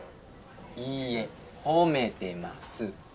いいえ褒めてます。